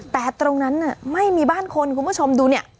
แต่ตรงนั้นไม่มีบ้านคนคุณผู้ชมดูเนี่ย